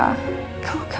kamu kan belum kerja